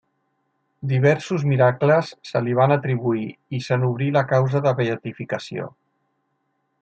Diversos miracles se li van atribuir i se n'obrí la causa de beatificació.